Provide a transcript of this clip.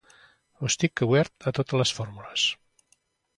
Estic obert a totes les fórmules.